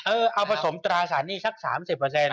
เอาผสมตราสารหนี้สัก๓๐เปอร์เซ็นต์